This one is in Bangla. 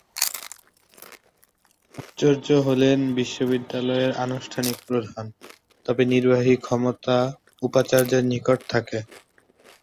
আচার্য হলেন বিশ্ববিদ্যালয়ের আনুষ্ঠানিক প্রধান, তবে নির্বাহী ক্ষমতা উপাচার্যের নিকট থাকে।